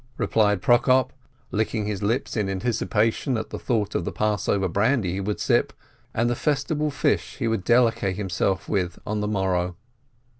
replied Prokop, licking his lips in anticipation at the thought of the Passover brandy he would sip, and the festival fish he would delectate himself with on the morrow.